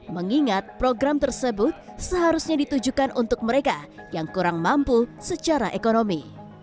mengingat program tersebut seharusnya ditujukan untuk mereka yang kurang mampu secara ekonomi